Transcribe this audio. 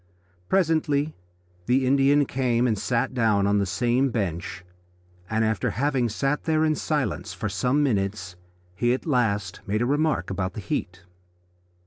Presently the Indian came and sat down on the same bench, and after having sat there in silence for some minutes he at last made a remark about the heat.